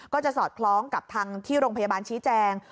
สอดคล้องกับทางที่โรงพยาบาลชี้แจง